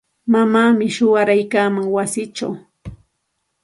Mamaami shuwaraykaaman wasichaw.